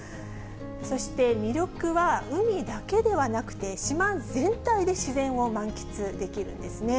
そして魅力は海だけではなくて、島全体で自然を満喫できるんですね。